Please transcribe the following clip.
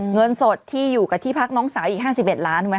เงินสดที่อยู่กับที่พักน้องสาวอีก๕๑ล้านไว้